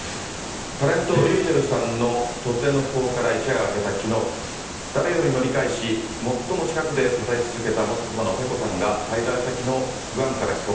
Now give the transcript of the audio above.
タレント、ｒｙｕｃｈｅｌｌさんの突然の訃報から一夜が明けたきのう、誰よりも理解し、最も近くで支え続けた元妻のペコさんが、滞在先のグアムから帰国。